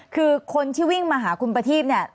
คือคนที่วิ่งมาหาคุณประทีพเนี่ย